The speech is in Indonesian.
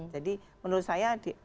jadi menurut saya